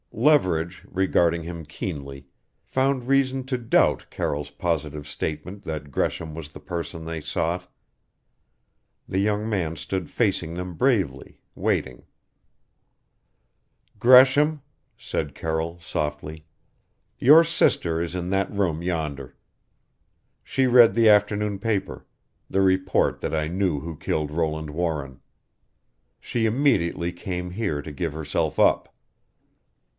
Leverage, regarding him keenly, found reason to doubt Carroll's positive statement that Gresham was the person they sought. The young man stood facing them bravely, waiting "Gresham," said Carroll softly, "Your sister is in that room yonder. She read the afternoon paper the report that I knew who killed Roland Warren. She immediately came here to give herself up."